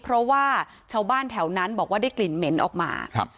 เพราะว่าชาวบ้านแถวนั้นบอกว่าได้กลิ่นเหม็นออกมาครับ